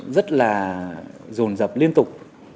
rất là rồn rập liên tục